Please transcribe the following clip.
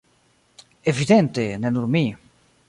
Evidente, ne nur mi.